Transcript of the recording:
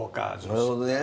なるほどね。